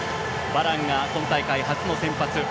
バランが今大会初の先発。